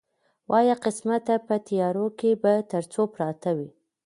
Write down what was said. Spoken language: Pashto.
وایه قسمته په تېرو کې به تر څو پراته وي.